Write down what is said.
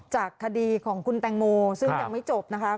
จากคดีของคุณแตงโมซึ่งยังไม่จบนะคะ